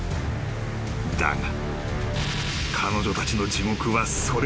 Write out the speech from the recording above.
［だが］